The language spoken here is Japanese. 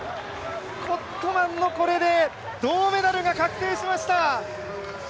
コットマンのこれで銅メダルが確定しました。